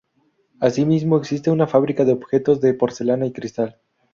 Asimismo existe una fábrica de objetos de porcelana y cristal.